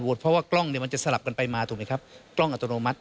เพราะว่ากล้องเนี่ยมันจะสลับกันไปมาถูกไหมครับกล้องอัตโนมัติ